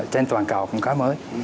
trên toàn cầu cũng khá mới